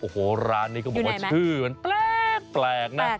โอ้โฮร้านนี้ก็บอกว่าชื่อมันแปลกนะอยู่ไหนมั้ย